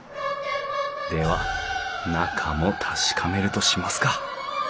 では中も確かめるとしますか。